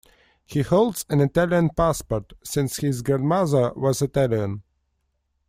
He holds an Italian passport, since his grandmother was Italian.